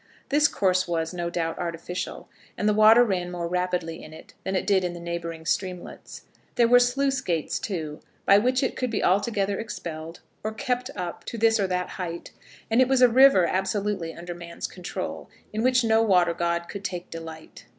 This course was, no doubt, artificial, and the water ran more rapidly in it than it did in the neighbouring streamlets. There were sluice gates, too, by which it could be altogether expelled, or kept up to this or that height; and it was a river absolutely under man's control, in which no water god could take delight.